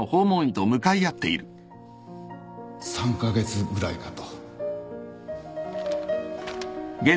３カ月ぐらいかと